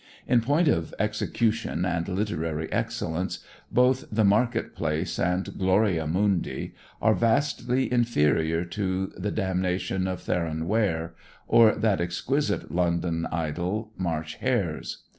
In point of execution and literary excellence, both "The Market Place" and "Gloria Mundi" are vastly inferior to "The Damnation of Theron Ware," or that exquisite London idyl, "March Hares."